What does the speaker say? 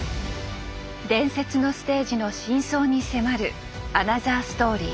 伝説のステージの真相に迫るアナザーストーリー。